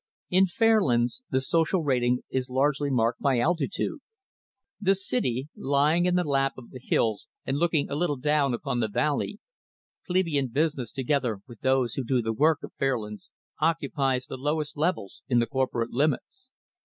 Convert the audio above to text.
In Fairlands, the social rating is largely marked by altitude. The city, lying in the lap of the hills and looking a little down upon the valley plebeian business together with those who do the work of Fairlands occupies the lowest levels in the corporate limits.